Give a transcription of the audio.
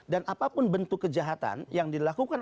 dan apapun bentuk kejahatan yang dilakukan